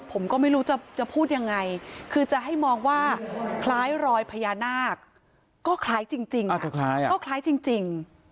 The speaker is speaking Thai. ผมก็ไม่รู้จะพูดยังไงคือจะให้มองว่าคล้ายรอยพญานาคก็คล้ายจริงก็คล้ายจริง